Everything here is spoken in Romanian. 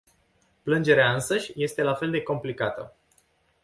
Plângerea însăși este la fel de complicată.